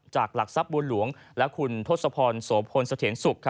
จากหลักทรัพย์บวนหลวงและคุณทศพรโสโพนเสถียรศุกร์